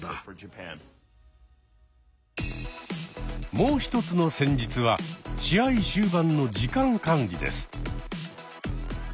もう一つの戦術は試合終盤の時間管理です。